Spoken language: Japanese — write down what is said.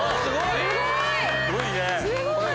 すごい！